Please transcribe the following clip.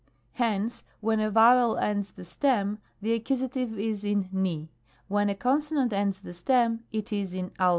Hence, when a vowel ends the stem, the Accus. is in V. When a consonant ends the stem, it is in cc.